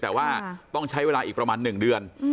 แต่ว่าต้องใช้เวลาอีกประมาณ๑เดือน